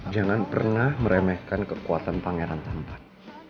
jangan pernah meremehkan kekuatan pangeran tampan